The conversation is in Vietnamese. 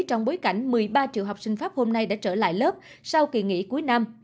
trong bối cảnh một mươi ba triệu học sinh pháp hôm nay đã trở lại lớp sau kỳ nghỉ cuối năm